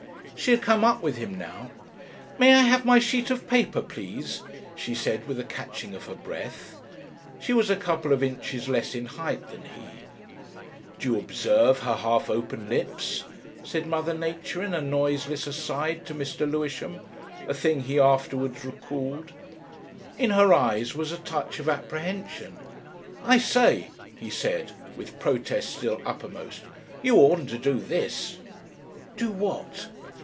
She had come up with him now. "May I have my sheet of paper, please?" she said with a catching of her breath. She was a couple of inches less in height than he. Do you observe her half open lips? said Mother Nature in a noiseless aside to Mr. Lewisham a thing he afterwards recalled. In her eyes was a touch of apprehension. "I say," he said, with protest still uppermost, "you oughtn't to do this." "Do what?"